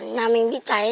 nào mình bị cháy